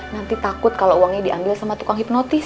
nanti takut kalau uangnya diambil sama tukang hipnotis